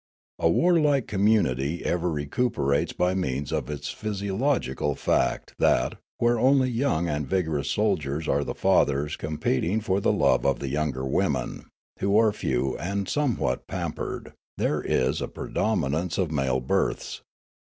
A warlike communitj' ever re cuperates bj' means of the physiological fact that, where only young and vigorous soldiers are the fathers competing for the love of the ^ oung women, who are few and somewhat pampered, there is a predominance of male births.